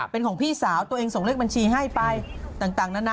เป็นของพี่สาวตัวเองส่งเลขบัญชีให้ไปต่างนานา